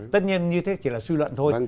tất nhiên như thế chỉ là suy luận thôi